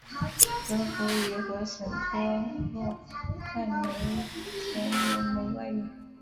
主要服务于和什托洛盖煤田原煤外运。